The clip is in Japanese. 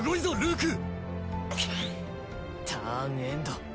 クッターンエンド。